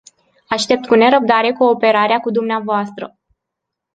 Aștept cu nerăbdare cooperarea cu dumneavoastră.